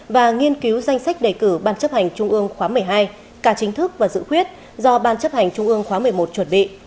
và nghiên cứu danh sách đề cử ban chấp hành trung ương khóa một mươi hai cả chính thức và dự khuyết do ban chấp hành trung ương khóa một mươi một chuẩn bị